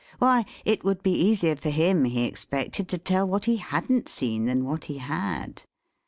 Why, it would be easier for him, he expected, to tell what he hadn't seen than what he had.